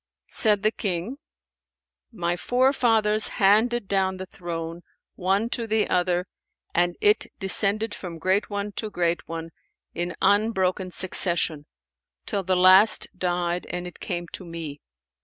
Said the King, 'My forefathers handed down the throne, one to the other, and it descended from great one to great one, in unbroken succession, till the last died and it came to me.